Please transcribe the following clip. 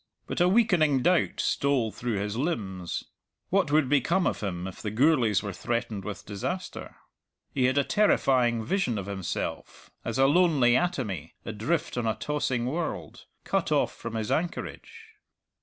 But a weakening doubt stole through his limbs. What would become of him if the Gourlays were threatened with disaster? He had a terrifying vision of himself as a lonely atomy, adrift on a tossing world, cut off from his anchorage.